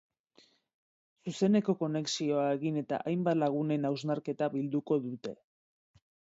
Zuzeneko konexioa egin eta hainbat lagunen hausnarketa bilduko dute.